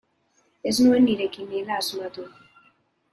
Ez nuen nire kiniela asmatu.